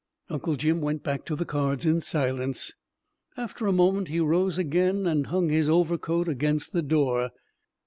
Uncle Jim went back to the cards in silence. After a moment he rose again, and hung his overcoat against the door.